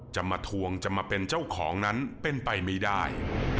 มาทวงจะมาเป็นเจ้าของนั้นเป็นไปไม่ได้